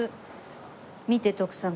見て徳さん